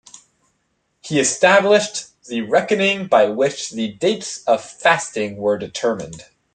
He established the reckoning by which the dates of fasting were determined.